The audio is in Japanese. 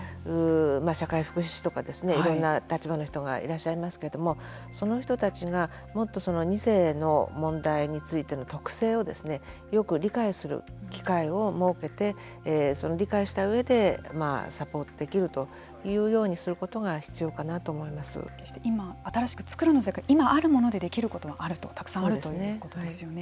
社会福祉士とかいろんな立場の人がいらっしゃいますけれどもその人たちがもっと２世の問題についての特性をですねよく理解する機会を設けて理解したうえでサポートできるというようにすることが今、新しく作るのではなくて今、あるものでできることはあるとたくさんあるということですよね。